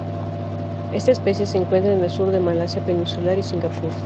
Esta especie se encuentra en el sur de Malasia peninsular y Singapur.